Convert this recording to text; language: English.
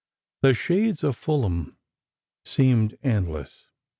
The shades of Fulham seemed endless.